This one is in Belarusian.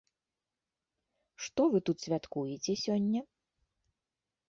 Што вы тут святкуеце сёння?